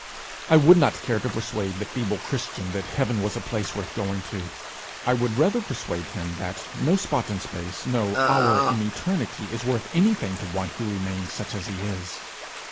I would not care to persuade the feeble Christian that heaven was a place worth going to; I would rather persuade him that no spot in space, no hour in eternity is worth anything to one who remains such as he is.